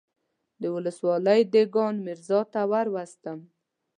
د ولسوالۍ دېګان ميرزا ته وروستم.